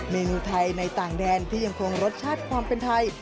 เมนูไทยในต่างแดนที่ยังคงรสชาติความเป็นไทย